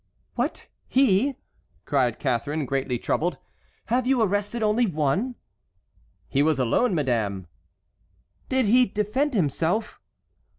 "What he?" cried Catharine, greatly troubled. "Have you arrested only one?" "He was alone, madame." "Did he defend himself?"